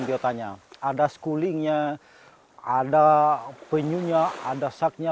banyak jenis kudanya yang ada sekulingnya ada penyunya ada saknya